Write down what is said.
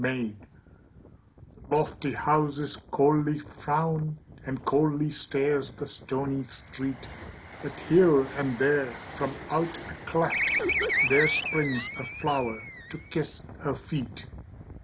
The lofty houses coldly frown, And coldly stares the stony street; But here and there from out a cleft There springs a flower to kiss her feet.